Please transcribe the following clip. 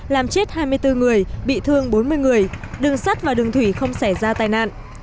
làm chết hai mươi bốn người bị thương bốn mươi người đường sắt và đường thủy không xảy ra tai nạn